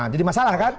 jadi masalah kan